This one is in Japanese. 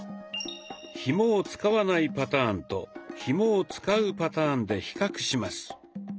ひもを使わないパターンとひもを使うパターンで比較します。